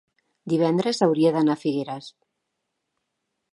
divendres hauria d'anar a Figueres.